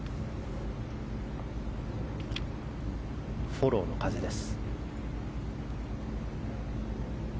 フォローの風です。